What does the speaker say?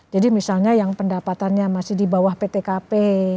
jadi misalnya yang pendapatannya masih di bawah ptkp